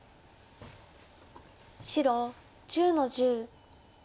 白１０の十。